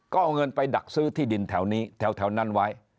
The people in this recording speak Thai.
ก็เอาเงินไปดักซื้อที่ดินแถวนี้แถวนั้นไว้